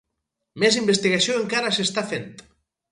Més investigació encara s'està fent.